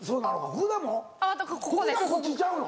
福田こっちちゃうの？